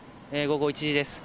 午後１時です。